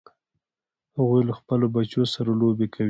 هغوی له خپلو بچو سره لوبې کوي